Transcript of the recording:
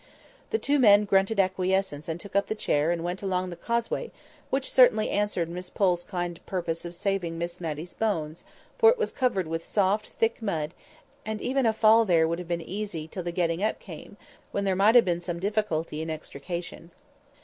The two men grunted acquiescence and took up the chair, and went along the causeway, which certainly answered Miss Pole's kind purpose of saving Miss Matty's bones; for it was covered with soft, thick mud, and even a fall there would have been easy till the getting up came, when there might have been some difficulty in extrication.